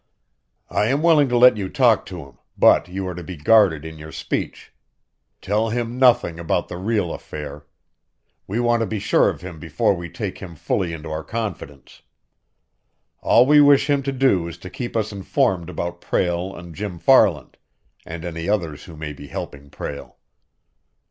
"I am willing to let you talk to him, but you are to be guarded in your speech. Tell him nothing about the real affair; we want to be sure of him before we take him fully into our confidence. All we wish him to do is to keep us informed about Prale and Jim Farland, and any others who may be helping Prale."